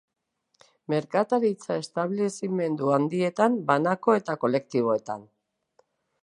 Merkataritza-establezimendu handietan, banako eta kolektiboetan.